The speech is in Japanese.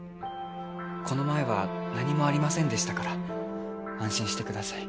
この前は何もありませんでしたから安心してください。